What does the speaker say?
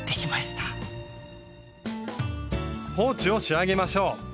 ポーチを仕上げましょう。